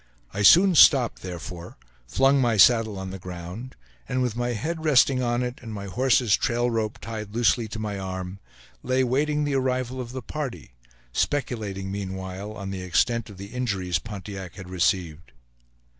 I soon stopped, therefore; flung my saddle on the ground, and with my head resting on it, and my horse's trail rope tied loosely to my arm, lay waiting the arrival of the party, speculating meanwhile on the extent of the injuries Pontiac had received.